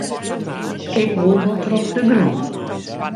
Ik woe wol troch de grûn.